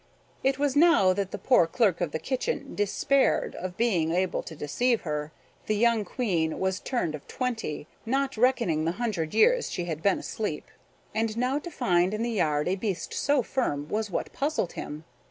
It was now that the poor clerk of the kitchen despaired of being able to deceive her. The young Queen was turned of twenty, not reckoning the hundred years she had been asleep; and how to find in the yard a beast so firm was what puzzled him.